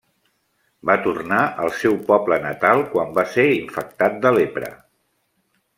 Va tornar al seu poble natal quan va ser infectat de lepra.